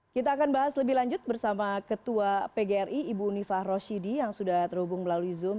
kita akan bahas lebih lanjut bersama ketua pgri ibu unifah roshidi yang sudah terhubung melalui zoom